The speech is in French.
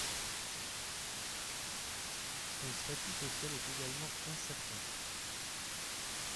Son statut social est également incertain.